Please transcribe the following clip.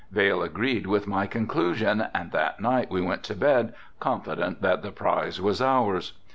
Vail agreed with my conclusion and that night we went to bed confident that the prize was ours.